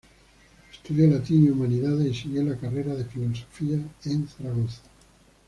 Estudió latín y humanidades y siguió la carrera de Filosofía en Zaragoza.